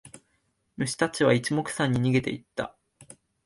虫たちは一目散に逃げてった。